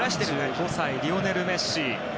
３５歳リオネル・メッシ。